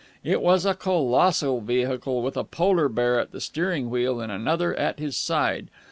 It was a colossal vehicle with a polar bear at the steering wheel and another at his side.